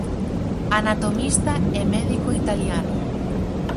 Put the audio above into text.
Anatomista e médico italiano.